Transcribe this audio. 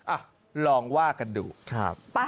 อ่ะลองว่ากันดูครับ